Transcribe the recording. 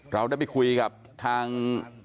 เราได้ไปคุยกับทาง